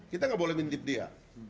kita nggak boleh mindip dia